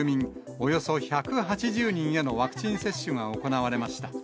およそ１８０人へのワクチン接種が行われました。